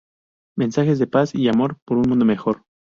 Mensajes de paz y amor por un mundo mejor.